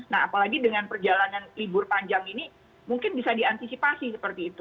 nah apalagi dengan perjalanan libur panjang ini mungkin bisa diantisipasi seperti itu